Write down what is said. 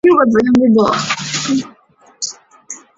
最后阿星也如愿见到赌神高进。